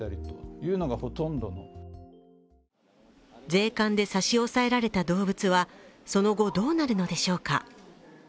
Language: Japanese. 税関で差し押さえられた動物は、その後どうなるのでしょうか。